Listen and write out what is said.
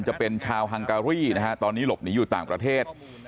จะเป็นชาวฮังการี่นะฮะตอนนี้หลบหนีอยู่ต่างประเทศ